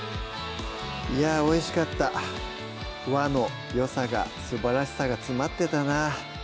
いやぁおいしかった和のよさがすばらしさが詰まってたな